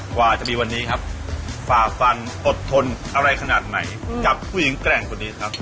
กว่าจะมีวันนี้ครับฝ่าฟันอดทนอะไรขนาดไหนกับผู้หญิงแกร่งคนนี้ครับ